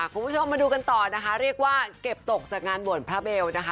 คุณผู้ชมมาดูกันต่อนะคะเรียกว่าเก็บตกจากงานบวชพระเบลนะคะ